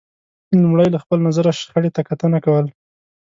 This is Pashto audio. لمړی له خپل نظره شخړې ته کتنه کول